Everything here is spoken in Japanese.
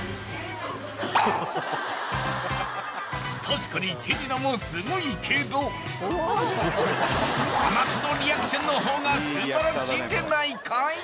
［確かに手品もすごいけどあなたのリアクションの方が素晴らしいんでないかい？］